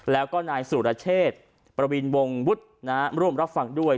แล้วก็นายสุรเชษประวินวงวุฒิร่วมรับฟังด้วย